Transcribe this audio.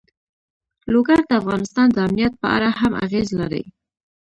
لوگر د افغانستان د امنیت په اړه هم اغېز لري.